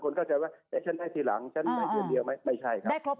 เข้าใจว่าเอ๊ะฉันให้ทีหลังฉันได้เดือนเดียวไหมไม่ใช่ครับ